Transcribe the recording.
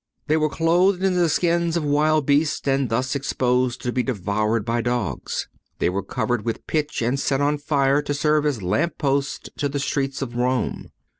They were clothed in the skins of wild beasts, and thus exposed to be devoured by dogs. They were covered with pitch and set on fire to serve as lamp posts to the streets of Rome.